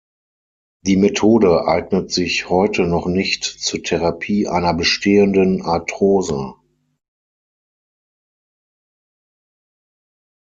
Die Methode eignet sich heute noch nicht zur Therapie einer bestehenden Arthrose.